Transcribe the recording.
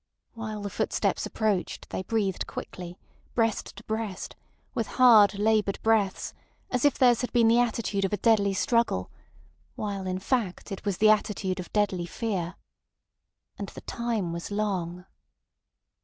While the footsteps approached, they breathed quickly, breast to breast, with hard, laboured breaths, as if theirs had been the attitude of a deadly struggle, while, in fact, it was the attitude of deadly fear. And the time was long.